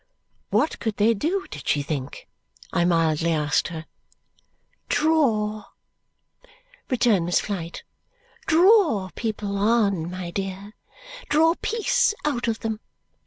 What could they do, did she think? I mildly asked her. "Draw," returned Miss Flite. "Draw people on, my dear. Draw peace out of them.